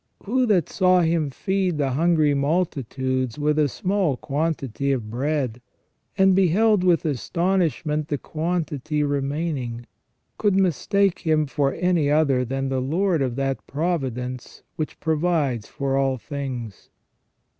Who that saw Him feed the hungry multitudes with a small quantity of bread, and beheld with astonishment the quantity remaining, could mistake Him for any other than the Lord of that providence which provides for all things